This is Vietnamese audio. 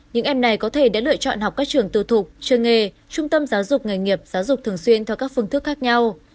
những em này có thể đã lựa chọn học các trường tư thục trường nghề trung tâm giáo dục nghề nghiệp giáo dục thường xuyên theo các phương thức khác nhau